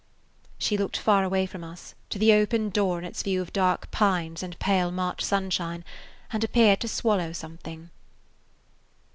She looked far away from us, to the open door and its view of dark pines and pale March sunshine, and appeared to swallow something.